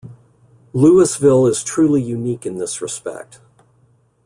Lewisville is truly unique in this respect.